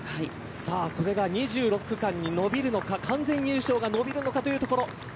これが２６区間に伸びるのか完全優勝が伸びるのかというところ。